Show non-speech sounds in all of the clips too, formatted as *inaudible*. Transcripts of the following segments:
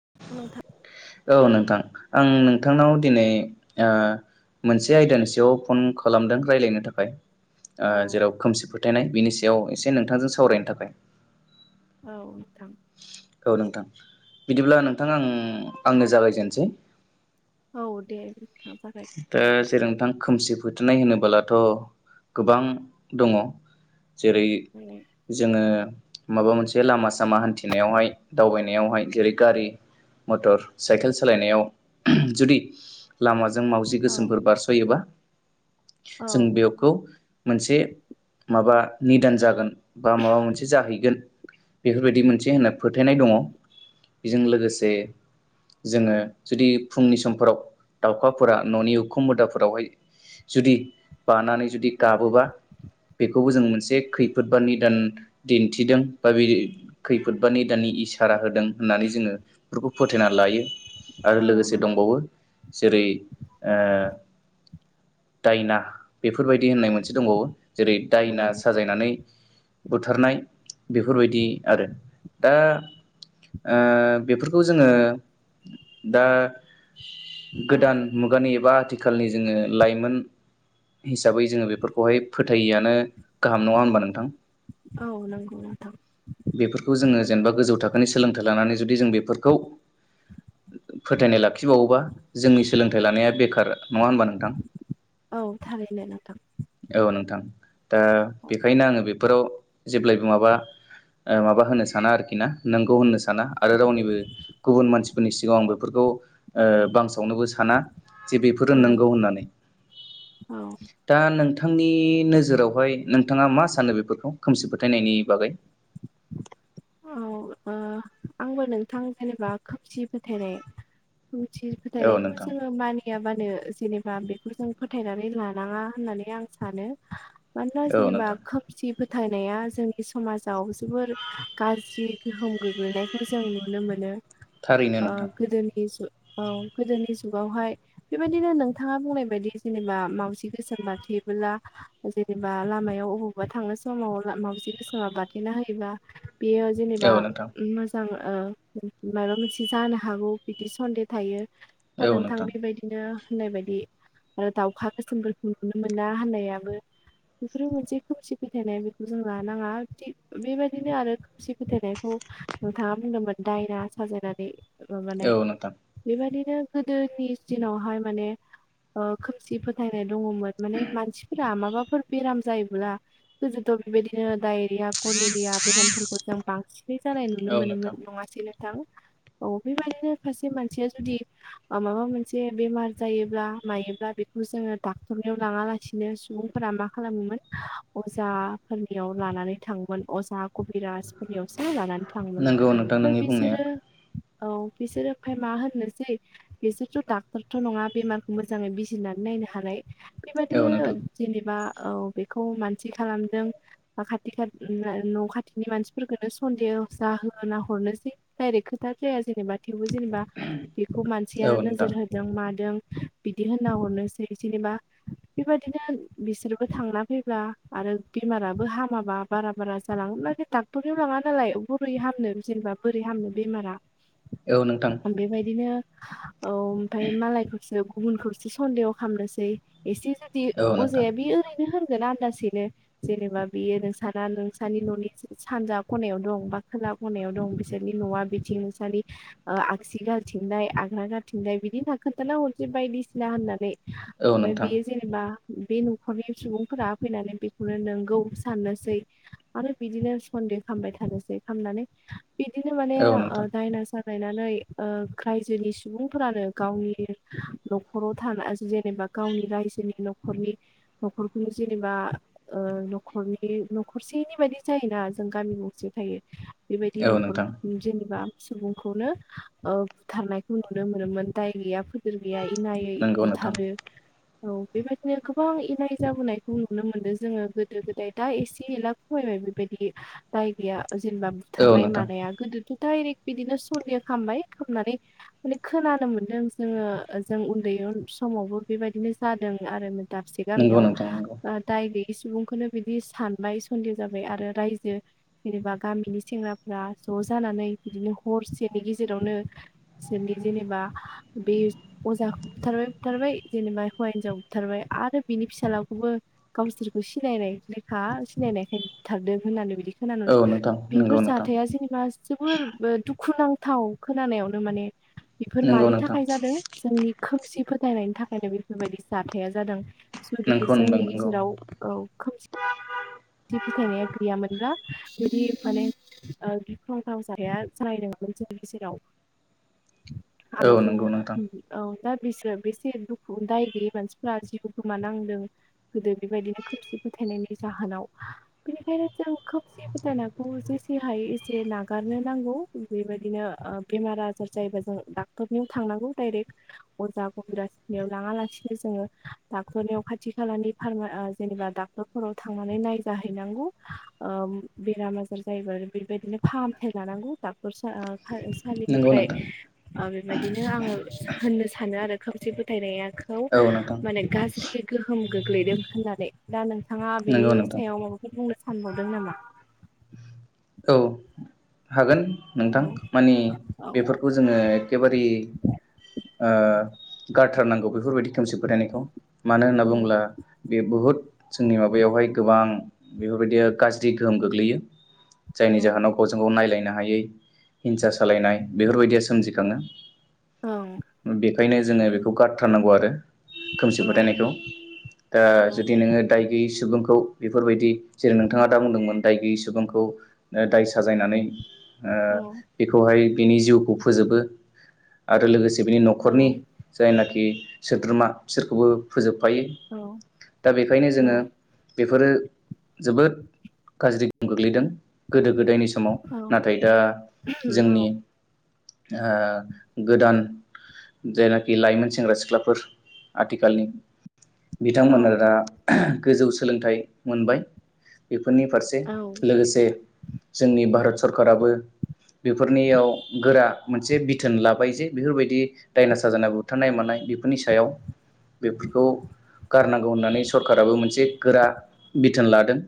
*unintelligible* औ नोंथां आं नोंथांनाव दिनै ओ मोनसे आयदानि सायाव फन खालामदों रायलायनो थाखाय। ओ औ जेराव खोमसि फोथायनाय बिनि सायाव से नोंथांजों सावरायनो थाखाय। औ नोंथां। औ नोंथां बिदिब्ला नोंथां आं आंनो जागायजेनसै। औ दे। जागाय ओ जेर नोंथां खोमसि फोथोनाय होनोबोलाथ' गोबां दङ। जेरै जोङो माबा मोनसे लामा सामा हान्थिनायावहाय दावबायनायावहाय जेरै गारि मटर साइकेल सालायनायाव जुदि लामाजो जों मावजि औ गोसोमफोर बारस'योबा औ जों बेखौ मोनसे माबा निदान जागोन बा माबा मोनसे जाहैगोन बेफोरबायदि मोनसे होनना फोथायनाय दङ बेजों लोगोसे जोङो जुदि फुंनि समफोराव दाउ अखाफोरा न'नि उखुम मोदाफोरावहाय जुदि बानानै जुदि गाबोबा बेखौबो जों मोन मोनसे खैफोद बा निदान दिन्थिदों बा बे खैफोद बा निदाननि इसारा होदों होननानै जोङो बेफोरखौ फोथायना लायो आरो औ लोगोसे नोंथां दंबावो जेरै ओ‌ दायना बेफोरबायदि होननाय मोनसे दंबावो जेरै औ दायना साजायनानै बुथारनाय बेफोरबायदि आरो दा ओ बेफोरखौ जोङो दा औ गोदान मुगानि एबा आथिखालनि जोङो लाइमोन हिसाबै जोङो बेफोरखौहाय फोथायैआनो गाहाम नङा होनबा नोंथां? औ नंगौ नोंथां। बेफोरखौ जोङो जेनेबा गोजौ थाखोनि सोलोंथाइ लानानै जुदि जों बेफोरखौ फोथायनाय लाखिबावोबा जोंनि सोलोंथाइ लानाया बेखार नङा होमबा नोंथां? औ थारैनो नोंथां औ नोंथां। दा औ बेखायनो आङो बे फ्राव जेब्लायबो माबा ओ‌ माबा होनो साना आरोखि ना नोंगौ होननो साना आरो रावनिबो गुबुन मानसि फोरनि सिगाङाव आं बेफोरखौ ओ बांसावनो बो साना जे बेफोरो औ नंगौ होननानै। औ दा नों थांनि नोजोरावहाय नोंथाङा मा सानो बेफोरखौ खोमसि फोथायनायनि बागै? औ ओ आंबो नोंथां जेनेबा खोमसि फोथायनाय खोमसि औ फोथायनायखौ नोंथां जोङो मानियाबानो जेनो बा बेखौ जों फोथायनानै लानाङा होननानै आं सानो मानोना औ जनेबा नोंथां खोमसि फोथायनाया जोंनि समाजाव जोबोर गाज्रि गोहोम गोग्लैनायखौ जों नुनो मोनो। थारैनो ओ नोंथां गोदोनि जु औ गोदोनि जुगावहाय बेबायदिनो नोंथाङा बुंनाय बायदि जेनेबा मावजि गोसोम बारथेबोला जेनेबा लामायाव अबावबा थांनो समाव मावजि गोसोमा बारथेना होयोबा बेयो जेनेबा औ नोंथां मोजां मायबा मोनसे जानो हागौ बिदि सन्दे थायो। दा नोंथां बेबायदिनो होननाय बायदि आरो दाउखा गोसोमफोरखौ नुनो मोना होननायाबो बेफोरो मोनसे खोमसि फिथायनाय बेखौ जों लानाङा थिग बेबायदिनो आरो सि फोथायनायखौ नोंथाङा बुंदोंमोन दायना साजायनानै माबानाय औ नोंथां बेबादि नो गोदोनि दिनावहाय माने ओ खोमसि फोथायनाय दङमोन माने मानसिफोरा माबाफोर बेराम जायोब्ला गोदोथ' बेबायदिनो डायरिया, कलेरिया बेरामफोर जों बांसिनै जानाय नुनो औ नोंथां मोनोमोन नङासै नों थां औ बेबायदिनो फारसे मानसिया जुदि माबा मोनसे बेमार जायोब्ला मायोब्ला बेखौ जोङो डाक्टरनियाव लाङालासिनो सुबुंफोरा मा खालामोमोन अजाफोरनियाव लानानै थाङोमोन अजा कभि बिराजफोरनियावसो लानानै थाङोमोन नोंगौ नोंथां ओमफ्राय नोंनि बुंनाया बिसोरो औ बिसोरो ओमफ्राय मा होननोसै बिसोरथ' डाक्टरथ' नङा बेमारखौ मोजाङै बिजिरनानै नायनो हानाय औ बेबादियो नोंथां जेनेबा औ बेखौ मानसि खालामदों खाथि खात ना न' खाथ थिनि मानसिफोरखौनो सन्देह जाहोना हरनोसै डायरेक्ट खोथा खेया जेनेबा थेवबो जेनेबा बेखौ औ मानसियानो नोंथां नोजोर होदों मादों बिदि होनना हरनोसै जेनेबा बेबायदिनो बिसोरबो थांना फैब्ला आरो बेमाराबो हामाबा बारा बारा जलां *unintelligible* डाक्टरनियाव लाङा नालाय बोरै हामनो जेनेबा बोरै हामनो बेमारा औ नोंथां बेबायदिनो औ ओमफाय मालायखौसो गुबुनखौसो सन्देह खामनोसै। एसे जुदि औ नोंथां अजाया बे ओरैनो होन *unintelligible* आन्दासैनो जेनेबा बेयो नोंसा नोंसनि न'नि सानजा खनायाव दं बा खोला खनायाव दं बिसोरनि न'वा बिथिं नोंसानि ओ आगसि गालिथिंनाय आग्रा गालिथिंनाय बिदि होनना खोनथाना हरनोसै बायदिसिना होननानै। औ ओमफाय नोंथां बेयो जेनेबा बे न'खरनि सुबुंफोरा फैनानै बेखौनो नोंगौ साननोसै आरो बिदिनो सन्दे खामबाय थानोसै खामनानै बिदिनो माने औ ओ नोंथां दायना सा *unintelligible* नानै ओ खायजोनि सुबुंफोरानो गावनि न'खराव थना जे नेबा गावनि रायजोनि न' खरनि न'खरनि जेनेबा ओ न'खरनि न'खरसेनि बायदि जायोना जों गामि गंसे थायो। बेबायदि औ न'खर नोंथां जेनेबा सुबुंखौनो ओ बुथारनायखौ नुनो मोनोमोन दाय गैया फोद *unintelligible* गैया इनायै नंगौ नोंथां बुथारो। औ बेबायदिनो गोबां इनाय जाबोनायखौ नुनो मोनो जोङो गोदो गोदाय दा इसे एला खमायबाय बेबायदि दाय गैया जेनेबा औ बुथारनाय नोंथां मानाया गोदोथ' डाइरेक्ट बिदिनो सन्देह खामबाय खामनानै माने खोनानो मोन्दों जोङो जों उन्दै उ समावबो बेबायदिनो जादों आरो दाबसे नंगौ गामियाव नोंथां नंगौ ओ दाय गै सुबुंखौनो बिदि सानबाय सन्दे जाबाय आरो रायज *unintelligible* जेनेबा गामिनि सेंग्राफ्रा ज जानानै बिदिनो हरसेनि गेजेरावनो जेनेबा बे अजाखौ बुथारबाय बुथारबाय जेनेबा हौवा हिनजाव बुथारबाय आरो बिनि फिसालाखौबो गावसोरखौ सिनायनायलेखा सिनायनायखाय बुथारदों होननानै बिदि औ *unintelligible* नोंथां नंगौ बेफोर नोंथां जाथाया जेनेबा जोबोर ओ दुखु नां थाव खोनानायावनो माने बेफोर नंगौ मानि नोंथां थाखाय जादों जोंनि खोमसि फोथायनायनि थाखायनो बेफोरबायदि जाथाया जादों। जुदि नोंखौ जोंनि नोंथां नंगौ गेजेराव औ खोमसि सि फोथायनाया *unintelligible* बिदि माने गिख्रंथाव जानाया जालायदोंमोन जोंनि गेजेराव औ आरो नंगौ नोंथां जोङो औ दा बिसोर बेसे दुखु दाय गैयि मानसिफोरा जिउ गोमानांदों गोदो बिबायदिनो खोमसि फोथायनायनि जाहोनाव बेनिखायनो जों खोमसे फोथायायनायखौ जेसे हायो एसे नागारनो नांगौ बेबायदिनो ओ बेमार आजार जायोबा जों डाक्टरनियाव थांनांगौ डाइरेक्ट अजा गबिराजनियाव लाङा लासिनो जोङो डाक्टरनियाव खाथि खालानि फार्मा ओ जेनेबा डाक्टरफोराव थांनानै नायजाहैनांगौ ओ बेराम आजार जायोबा बेबायदिनो फाहामथाय लानांगौ डाक्टरसा ओ नंगौ सालिनिफ्राय नोंथां ओ बेबायदिनो आङो होननो सानो आरो खोमसि फोथायनाया खौ औ नोंथां माने गाज्रि गोहोम गोग लैदों होननानै दा नों थाङा बेनि नंगौ नोंथां सायाव माबाफोर बुंनो सानो सानबावदों नामा औ हागोन नोंथां औ मानि औ बेफोरखौ जोंङो एखेबारि आ गारथारनांगौ बेफोरबायदि खोमसि फोथायनायखौ मानो होनना औ बुङोब्ला बेयो बुहुत जोंनि माबायावहाय गोबां बेफोरबायदि गाज्रि गोहोम गोग्लैयो औ जायनि जाहोनाव गावजों गाव नायलायनो हायै हिंसा सालायनाय बेफोरबायदिया सोमजिखाङो औ बेखायनो जोंङो बेखौ गारथारनांगौ आरो *inaudible* खोमसि औ फोथायनायखौ दा जुदि नोंङो दाय गैयै सुबुंखौ बेफोरबायदि जेरै नोंथाङा दा बुंदोंमोन दाय गैयै सुबुंखौ दाय साजायनानै ओ औ बेखौहाय बिनि जिउ खौ फोजोबो आरो लोगोसे बिनि नखरनि औ जायनाखि सोद्रोमा बिसोरखौबो फोजोब थफायो औ दा बेखायनो औ जोंङो बेफोरो जोबोद गाज्रि गोग्लैदों गोदो गोदोनि समाव नाथाय दा जोंनि ओ गोदान जायनाखि लाइमोन सेंग्रा सिख्लाफोर आथिखालनि बिथांमोन दा गोजौ सोलोंथाइ मोनबाय बेफोर फोरनि फारसे लोगोसे जोंनि भारत सरकाराबो बेफोरनियाव गोरा मोनसे बिथोन लाबाय जे बेफोरबायदि दायनासा जानाय बुथारनाय मानाय बेफोरनि सायाव बेफोरखौ गारनांगौ होननानै सरकाराबो मोनसे गोरा बिथोन लादों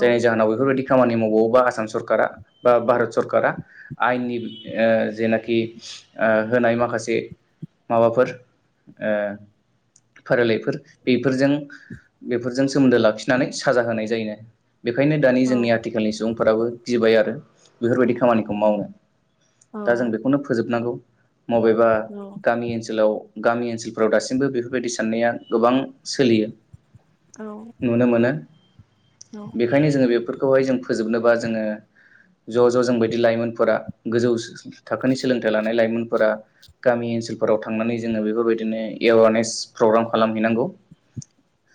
जायनि जाहोनाव बेफोरबायदि बावबा आसाम सरकारा बा भारत सरकारा आयेननि जेनाखि होनाय माखासे माबाफोर फारिलाइफोर बेफोरजों बेफोरजों सोमोन्दो लाखिनानै साजा होनाय जायो बेखायनो दानि औ जोंनिया सुबुंफोराबो गिबाय आरो बेफोरबायदि खामानिखौ मावनो दा जों बेखौनो फोजोबनांगौ बबेबा गामि ओनसोलाव गामि ओनसोलफोराव दासिमबो बेफोरबायदि साननाया गोबां सोलियो नुनो मोनो। औ बेखायनो जोङो बे खौहाय जों फोजोबनोबा जोङो ज' ज' जों बायदि लाइमोनफोरा गोजौ थाखोनि सोलोंथाइ लानाय लाइमोनफोरा गामि ओनसोलफोराव थांनानै जोङो बेफोरबायदिनो एवारनेस प्रग्राम खालामहैनांगौ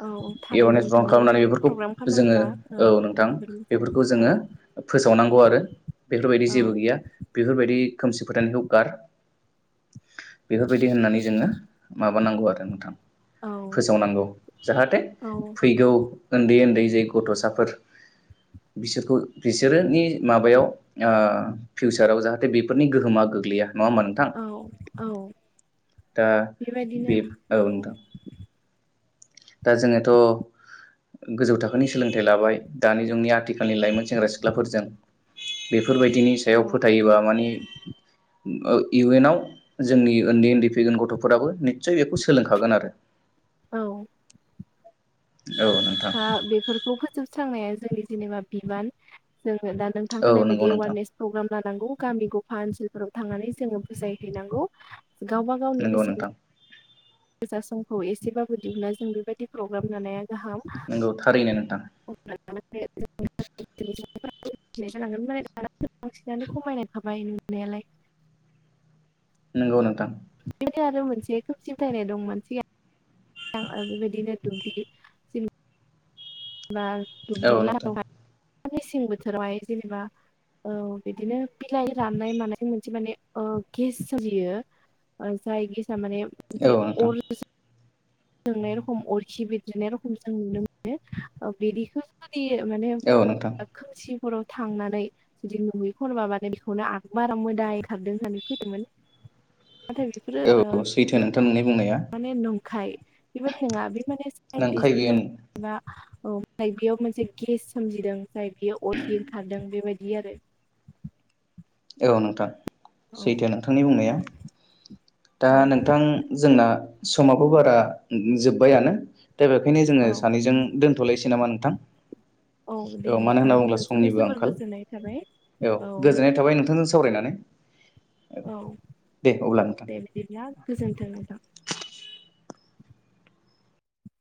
औ थारैनो एवारनेस नोंथां प्रग्राम खालामनानै बेबायदि बेफोरखौ प्रग्राम जोङो खालामोबा औ नोंथां ज बेफोरखौ जोङो फोसावनांगौ आरो बेफोरबायदि औ जेबो गैया बेफोरबायदि खोमसि फोथायनायखौ गार बेफोरबायदि होननानै जोङो माबा माब नांगौ आरो नोंथां औ फोसावनांगौ जाहाथे औ फैगौ उन्दै उन्दै जेरै गथ'साफोर बिसोरखौ बिसोरोनि माबायाव फिउचाराव जाहाथे बेफोरनि गोहोमा गोग्लैया नङा होनबा नोंथां औ दा बे औ नोंथां दा जोङोथ' गोजौ थाखोनि सोलोंथाइ लाबाय दानि जोंनि आथिखालनि लाइमोन सेंग्रा सिख्लाफोरजों बे *unintelligible* बेफोरबायदिनि औ सायाव फोथायोबा माने ओ इउनाव जोंनि उन्दै उन्दै फैगोन गथ'फोराबो निस्सय बेखौ सोलोंखागोन आरो। औ। औ नोंथां हा बेफोरखौ फो जोबस्रांनाया जोंनि जेनेबा बिबान जों दा नोंथां औ होननाय नंगौ बायदि नोंथां एवारनेस प्रग्राम लानांगौ गामिखौ हा ओनसोलफोराव थांनानै जोङो बुजाय हैैनांगौ। गावबा गावनि नंगौ बेसेन नोंथां गोसा समखौ एसेबाबो दिहुनना जों बेबायदि प्रग्राम लानाया गाहाम नोंगौ थारैनो नोंथां *unintelligible* बांसिनानो खमायनाय थाबाय नुनायालाय नोंगौ नोंथां बे आरो मोनसे खोमसि फोथायनाय दं मानसिया बेबायदिनो दुब्दि *unintelligible* बा औ दुमदिला नोंथां रहाय मेसें बोथोरावहाय जेनेबा ओ बिदिनो बिलाइ राननाय मानाय मोनसे माने ओ गेस सोलियो जाय गेस माने औ नोंथां *unintelligible* जोंनाय रखम अरखि बेरदेदनाय रखम जों नुनो मोनो ओ बिदिखो *unintelligible* माने औ नोंथां खोमसि हराव थांनानै जुदि नुहै खनबा मानो बेखौनो आंग्रोमोन्दा मोदाय खारदों होननानै फैदोंमोन औ सैथो नोंथां नोंनि बुंनाय माने नंखाय बेबायदि नङा बे माने नंखाय साइन्टिस्टनि बेयो मोन औ ओमफ्राय बेयाव मोनसे गेस सोमजिदों जाय बियो अरखि ओंखारदों बेबायदि बियो *unintelligible* आरो। औ नोंथां औ सैथो नोंथांनि बुंनाया दा औ नोंथां जोंना समाबो औ बारा जोब्बायानो दा बेखायनो औ जोङो सानैजों दोनथ'लायसै नामा नोंथां औ दे मानो नोंथां होनना बुङोब्ला जोबोर समनिबो जोबोर आंखाल गोजोननाय थाबाय औ गोजोननाय नोंथां थाबाय नोंथांजों सावरायनानै औ दे अब्ला नोंथां दे बिदिब्ला गोजोन्थों नोंथां